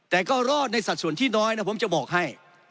แต่ก็รอดในสัดส่วนที่น้อยนะผมจะบอกให้